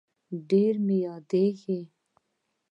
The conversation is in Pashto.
ډير مي ياديږي